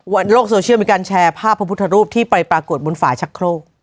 โลกโซเชียลมีการแชร์ภาพพระพุทธรูปที่ไปปรากฏบนฝ่าชักโครก